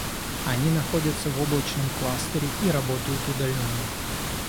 Они находятся в облачном кластере и работают удаленно